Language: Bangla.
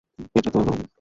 এটা তোর রুম।